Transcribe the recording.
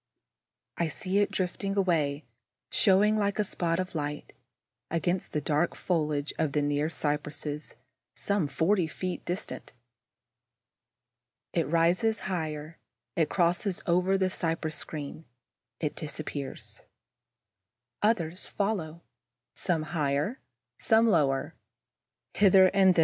I see it drifting away, showing, like a spot of light, against the dark foliage of the near cypresses, some forty feet distant. It rises higher, it crosses over the cypress screen, it disappears. Others follow, some higher, some lower, hither and thither.